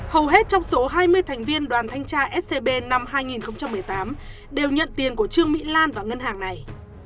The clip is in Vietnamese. hầu hết trong số hai mươi thành viên đoàn thanh tra scb năm hai nghìn một mươi tám đều nhận tiền của trương mỹ lan vào ngân hàng này